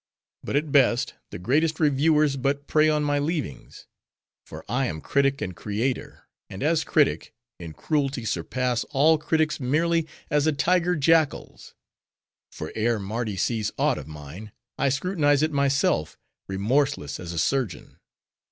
But at best, the greatest reviewers but prey on my leavings. For I am critic and creator; and as critic, in cruelty surpass all critics merely, as a tiger, jackals. For ere Mardi sees aught of mine, I scrutinize it myself, remorseless as a surgeon.